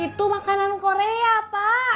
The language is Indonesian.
itu makanan korea pak